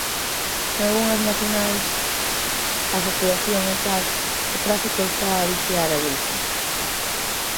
Nalgunhas nacionais a saturación é tal que Tráfico está a vixiar a evolución.